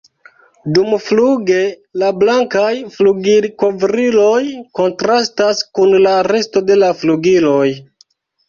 Dumfluge la blankaj flugilkovriloj kontrastas kun la resto de la flugiloj.